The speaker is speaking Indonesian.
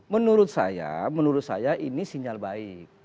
menurut saya ini sinyal baik